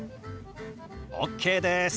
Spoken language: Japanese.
ＯＫです！